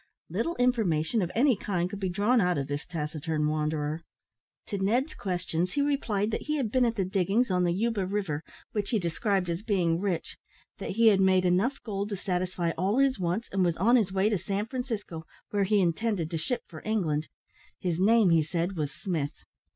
Little information of any kind could be drawn out of this taciturn wanderer. To Ned's questions, he replied that he had been at the diggings on the Yuba River, which he described as being rich; that he had made enough gold to satisfy all his wants, and was on his way to San Francisco, where he intended to ship for England. His name, he said, was Smith.